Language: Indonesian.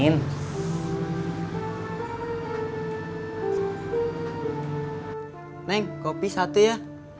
neng kopi satu ya